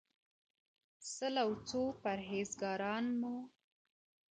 • سل او څو پرهېزگاران مي شرابيان كړل -